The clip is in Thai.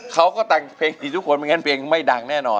เขาก็แต่งเพลงดีทุกคนไม่งั้นเพลงไม่ดังแน่นอน